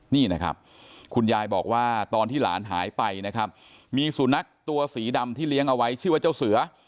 นี่นะครับคุณยายบอกว่าตอนที่หลานหายไปนะครับมีสุนัขตัวสีดำที่เลี้ยงเอาไว้ชื่อว่าเจ้าเสือ